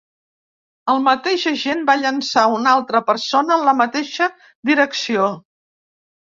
El mateix agent va llençar una altra persona en la mateixa direcció.